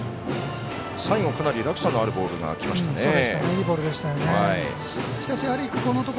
最後、かなり落差のあるボールがきましたね。